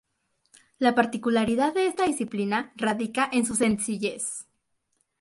La particularidad de esta disciplina radica en su sencillez.